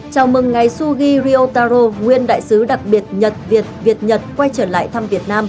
chào mừng ngày sugi ryotaro nguyên đại sứ đặc biệt nhật việt việt nhật quay trở lại